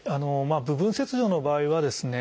部分切除の場合はですね